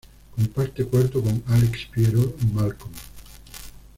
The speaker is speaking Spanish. Comparte cuarto con Alex, Piero y Malcolm.